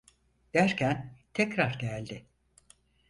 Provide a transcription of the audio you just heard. Derken tekrar geldi...